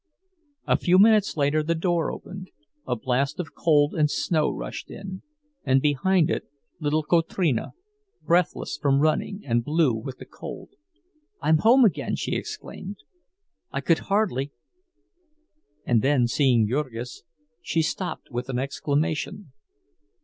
A few minutes later the front door opened; a blast of cold and snow rushed in, and behind it little Kotrina, breathless from running, and blue with the cold. "I'm home again!" she exclaimed. "I could hardly—" And then, seeing Jurgis, she stopped with an exclamation.